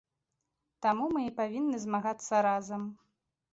Таму мы і павінны змагацца разам.